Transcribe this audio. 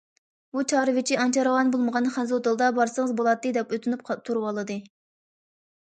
بۇ چارۋىچى ئانچە راۋان بولمىغان خەنزۇ تىلىدا‹‹ بارسىڭىز بولاتتى››، دەپ ئۆتۈنۈپ تۇرۇۋالدى.